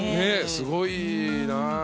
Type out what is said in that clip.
すごいな。